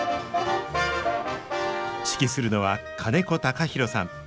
指揮するのは金子隆博さん。